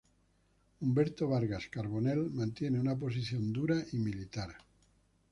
Humberto Vargas Carbonell mantiene una posición dura y militar.